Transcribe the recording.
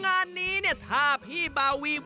งานนี้เนี่ยถ้าพี่บาวี